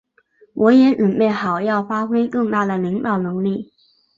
我也准备好要发挥更大的领导能力。